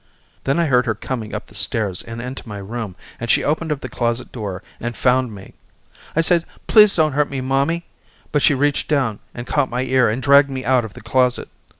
Then I heard her coming up the stairs and into my room and she opened the closet door and found me. I said please don't hurt me mommy but she reached down and caught my ear and dragged me out of the closet.